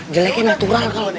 jeleknya natural kalo